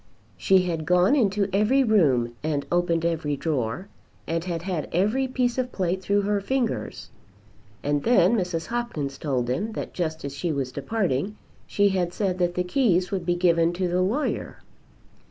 She had gone into every room and opened every drawer, and had had every piece of plate through her fingers, and then Mrs. Hopkins told him that just as she was departing she had said that the keys would be given to the lawyer.